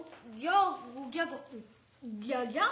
「ギャギャ？